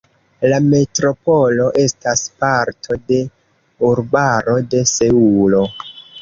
La metropolo estas parto de urbaro de Seulo.